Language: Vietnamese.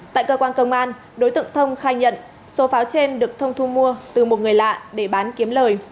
tại cơ quan công an đối tượng thông khai nhận số pháo trên được thông thu mua từ một người lạ để bán kiếm lời